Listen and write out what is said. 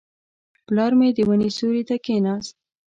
پلار مې د ونې سیوري ته کښېناست.